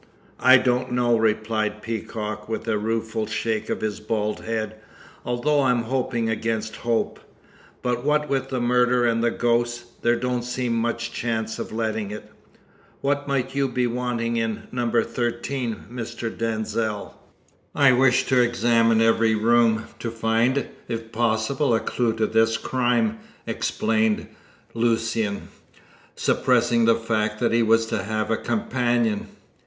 "I don't know," replied Peacock, with a rueful shake of his bald head, "although I'm hoping against hope. But what with the murder and the ghost, there don't seem much chance of letting it. What might you be wanting in No. 13, Mr. Denzil?" "I wish to examine every room, to find, if possible, a clue to this crime," explained Lucian, suppressing the fact that he was to have a companion.